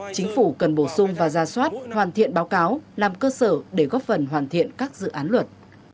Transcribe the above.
chính phủ cần bổ sung và ra soát hoàn thiện báo cáo làm cơ sở để góp phần hoàn thiện các dự án luật